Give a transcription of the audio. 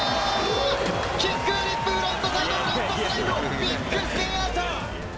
キックフリップフロントサイドブラントスライドビックスピンアウト。